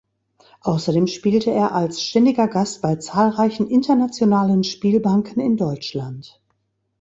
Außerdem spielte er als ständiger Gast bei zahlreichen internationalen Spielbanken in Deutschland.